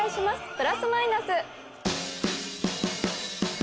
プラス・マイナス！